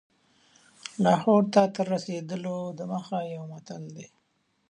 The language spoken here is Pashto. لاهور ته تر رسېدلو دمخه یو متل دی.